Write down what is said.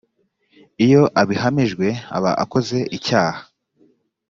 iyo abihamijwe aba akoze icyaha